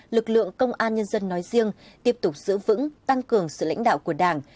lực lượng công an nhân dân nói riêng tiếp tục giữ vững tăng cường sự lãnh đạo của đảng